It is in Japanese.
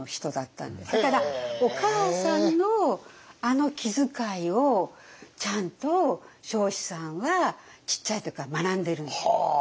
だからお母さんのあの気遣いをちゃんと彰子さんはちっちゃい時から学んでるんです。